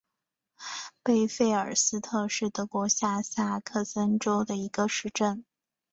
贝费尔斯特是德国下萨克森州的一个市镇。